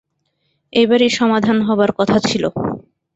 এবারই সমাধান হবার কথা ছিলো।